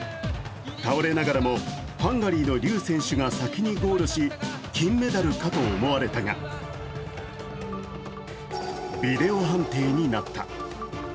倒れながらもハンガリーのリュウ選手が先にゴールし金メダルかと思われたが、ビデオ判定になった。